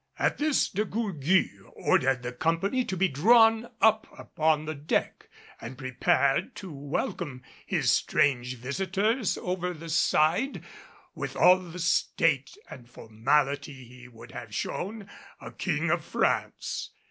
At this De Gourgues ordered the company to be drawn up upon the deck, and prepared to welcome his strange visitors over the side with all the state and formality he would have shown a King of France.